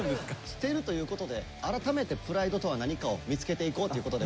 捨てるということで改めてプライドとは何かを見つけていこうということで。